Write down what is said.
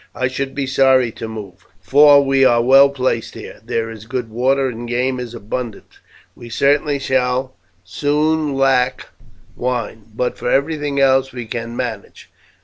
I should be sorry to move, for we are well placed here; there is good water and game is abundant. We certainly shall soon lack wine, but for everything else we can manage.